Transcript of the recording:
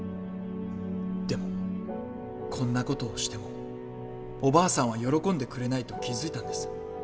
でもこんな事をしてもおばあさんは喜んでくれないと気付いたんです。